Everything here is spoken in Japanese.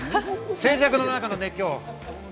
静寂の中の熱狂。